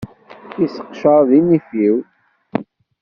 Yesseqecaṛ di nnif-iw.